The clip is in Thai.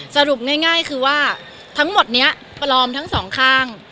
สรุปง่ายคือว่าทั้งหมดนี้ปลอมทั้งสองข้าง